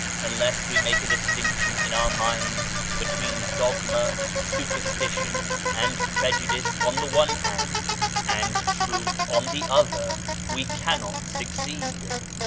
Unless we make a distinction in our minds between dogma, superstition and prejudice on the one hand, and Truth on the other, we cannot succeed.